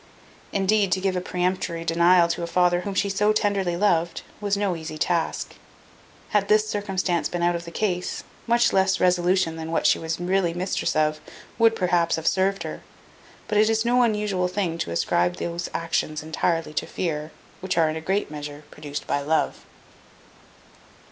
Indeed, to give a peremptory denial to a father whom she so tenderly loved, was no easy task. Had this circumstance been out of the case, much less resolution than what she was really mistress of, would, perhaps, have served her; but it is no unusual thing to ascribe those actions entirely to fear, which are in a great measure produced by love.